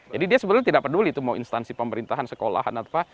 jadi dia sebenarnya tidak peduli itu mau instansi pemerintahan sekolahan apa